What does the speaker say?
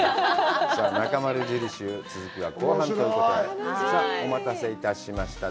さあ、「なかまる印」の続きは後半ということで、さあ、お待たせいたしました。